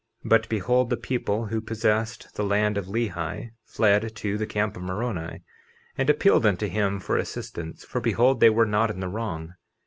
50:27 But behold, the people who possessed the land of Lehi fled to the camp of Moroni, and appealed unto him for assistance; for behold they were not in the wrong.